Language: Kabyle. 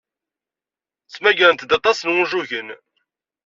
Ttmagarent-d aṭas n wunjugen.